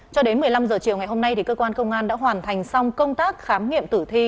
cho đến một mươi năm h chiều ngày hôm nay cơ quan công an đã hoàn thành xong công tác khám nghiệm tử thi